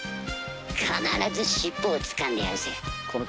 必ず尻尾をつかんでやるぜ！